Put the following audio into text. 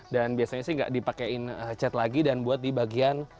dan biasanya sih nggak dipakein cat lagi dan buat di bagian